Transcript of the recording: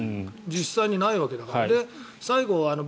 実際出ていないわけだから。